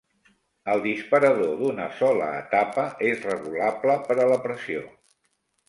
El disparador d'una sola etapa és regulable per a la pressió.